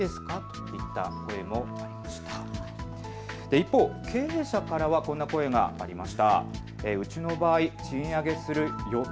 一方、経営者からはこんな声がありました。